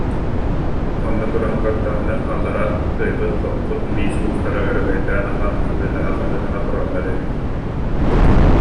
Онно туран көрдөҕүнэ, аллара кыайбыт-хоппут биис уустара өрөгөйдөөн ахан, ыһыытаһа-хаһыытаһа тураллар эбит